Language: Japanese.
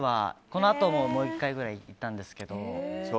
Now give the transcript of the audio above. このあとももう１回ぐらい行ったんですけど。